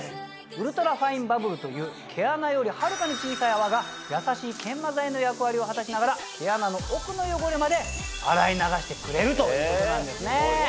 ウルトラファインバブルという毛穴よりはるかに小さい泡がやさしい研磨剤の役割を果たしながら毛穴の奥の汚れまで洗い流してくれるということなんですね。